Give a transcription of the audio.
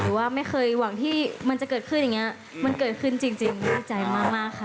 ว่าไม่เคยหวังที่มันจะเกิดขึ้นอย่างนี้มันเกิดขึ้นจริงดีใจมากมากค่ะ